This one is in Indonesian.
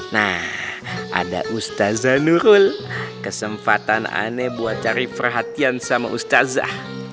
nah ada ustaza nurul kesempatan aneh buat cari perhatian sama ustazah